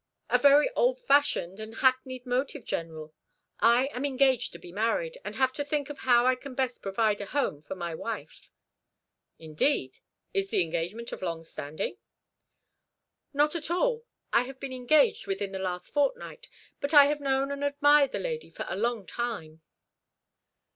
"A very old fashioned and hackneyed motive, General. I am engaged to be married, and have to think of how I can best provide a home for my wife." "Indeed! Is the engagement of long standing?" "Not at all. I have been engaged within the last fortnight; but I have known and admired the lady for a long time."